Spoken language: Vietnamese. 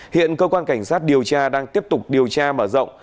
hiện cơ quan cảnh sát điều tra đang tiếp tục điều tra mở rộng